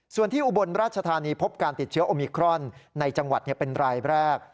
ส่วนที่อุบลราชธานีพบการติดเชื้อโอมิครอนในจังหวัดเป็นรายแรก